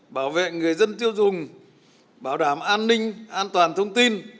bảo vệ người dân tiêu dùng bảo đảm an ninh an toàn thông tin